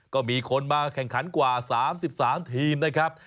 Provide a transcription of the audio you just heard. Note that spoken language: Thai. ก็มีคนมาแข่งขันกว่า๓๓ทีมนะครับ